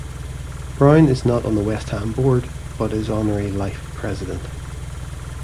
Brown is not on the West Ham board but is honorary life president.